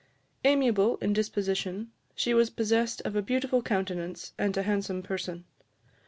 Amiable in disposition, she was possessed of a beautiful countenance and a handsome person.